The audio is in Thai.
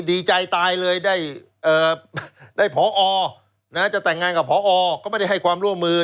ดีใจตายเลยได้เอ่อได้เนี่ยจะจะแต่งงานกับองค์ก็ไม่ได้ให้ความร่วมมือ